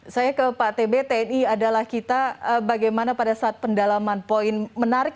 saya ke pak tb tni adalah kita bagaimana pada saat pendalaman poin menarik